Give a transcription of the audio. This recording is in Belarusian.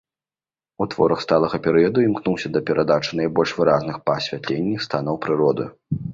У творах сталага перыяду імкнуўся да перадачы найбольш выразных па асвятленні станаў прыроды.